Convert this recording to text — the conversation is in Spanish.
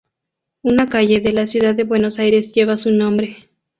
Una calle de la Ciudad de Buenos Aires lleva su nombre.